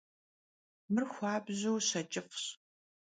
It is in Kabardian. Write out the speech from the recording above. Mır xuabju ş'eç'ıf'ş.